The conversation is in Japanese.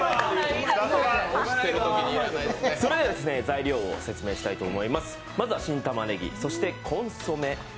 それでは材料を説明したいと思います。